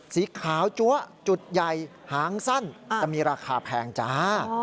สีขาวจั๊วจุดใหญ่หางสั้นจะมีราคาแพงจ้า